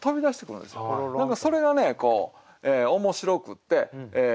何かそれがねこう面白くって。